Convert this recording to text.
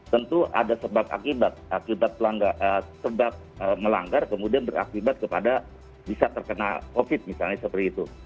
tentu ada sebab akibat melanggar kemudian berakibat kepada bisa terkena covid misalnya seperti itu